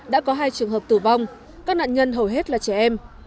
đã có hai trường hợp tử vong các nạn nhân hầu hết là trẻ em